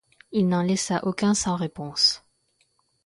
Il n'en laissa aucun sans réponse.